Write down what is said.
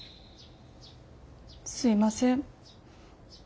すいません。